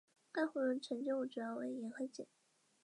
该湖的沉积物主要为盐和碱。